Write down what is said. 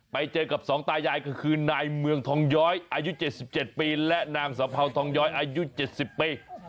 ไปเจอกับสองตายายก็คือนายเมืองทองย้อยอายุ๗๗ปีและนางสะเภาทองย้อยอายุ๗๐ปี